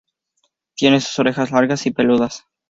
Tiene sus orejas largas y peludas.